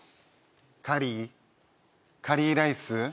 カリーカリーライス